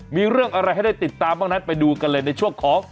มีเรื่องอะไรให้ได้ติดตามบ้างนั้นไปดูกันเลยในช่วงของ